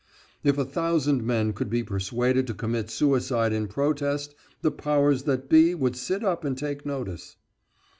If a thousand men could be persuaded to commit suicide in protest, the powers that be would sit up and take notice.